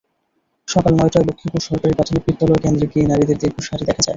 সকাল নয়টায় লক্ষ্মীপুর সরকারি প্রাথমিক বিদ্যালয় কেন্দ্রে গিয়ে নারীদের দীর্ঘ সারি দেখা যায়।